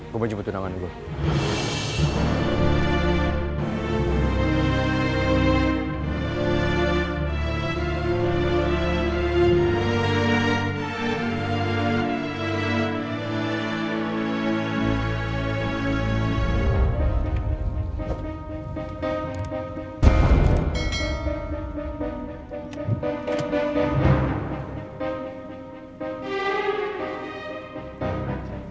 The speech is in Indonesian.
gue mau jemput tunangan gue